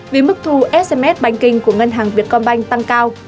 vì mức thu sms banking của ngân hàng việt công banh tăng cao